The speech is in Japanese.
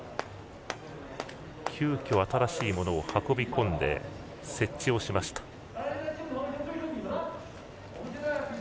急きょ新しいものを運び込んで設置しました。